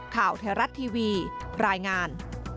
ข่าวไทยรัฐทีวีรายงาน